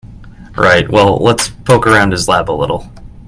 Right, well let's poke around his lab a little.